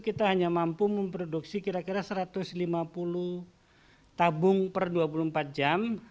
kita hanya mampu memproduksi kira kira satu ratus lima puluh tabung per dua puluh empat jam